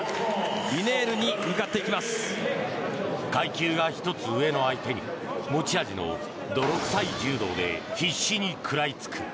階級が１つ上の相手に持ち味の泥臭い柔道で必死に食らいつく。